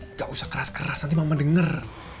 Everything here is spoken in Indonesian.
nggak usah keras keras nanti mama dengar